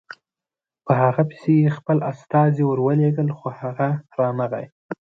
په هغه پسې یې خپل استازي ورولېږل خو رانغی.